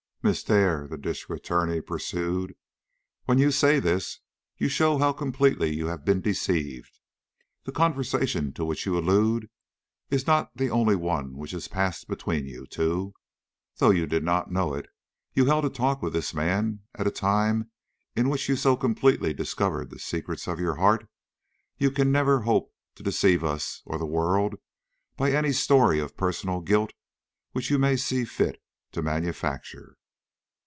"Miss Dare," the District Attorney pursued, "when you say this you show how completely you have been deceived. The conversation to which you allude is not the only one which has passed between you two. Though you did not know it, you held a talk with this man at a time in which you so completely discovered the secrets of your heart, you can never hope to deceive us or the world by any story of personal guilt which you may see fit to manufacture."